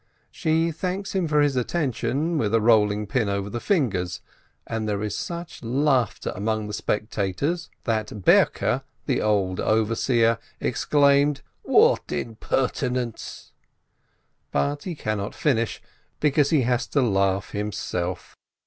She thanks him for his attention with a rolling pin over the fingers, and there is such laughter among the spectators that Berke, the old overseer, exclaims, "What impertinence !" But he cannot finish, because he has to laugh himself.